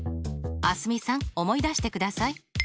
蒼澄さん思い出してください。